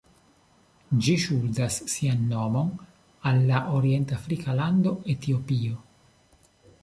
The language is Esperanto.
Ĝi ŝuldas sian nomon al la orient-afrika lando Etiopio.